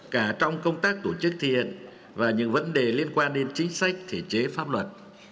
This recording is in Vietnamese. cả trong công tác tổ chức thi hành và những vấn đề liên quan đến chính sách thể chế pháp luật